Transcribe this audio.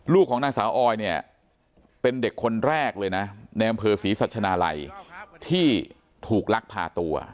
ของนางสาวออยเนี่ยเป็นเด็กคนแรกเลยนะในอำเภอศรีสัชนาลัยที่ถูกลักพาตัว